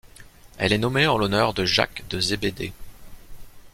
Elle est nommée en l'honneur de Jacques de Zébédée.